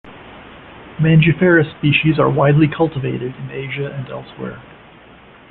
"Mangifera" species are widely cultivated in Asia and elsewhere.